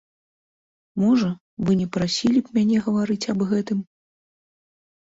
Можа, вы не прасілі б мяне гаварыць аб гэтым?